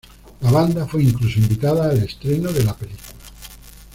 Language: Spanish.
La banda fue incluso invitada al estreno de la película.